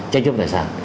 tranh chấp tài sản